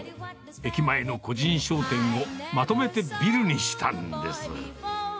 駅前の個人商店をまとめてビルにしたんです。